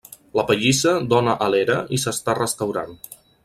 La pallissa dóna a l'era i s'està restaurant.